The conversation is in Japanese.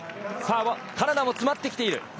カナダも詰まってきている。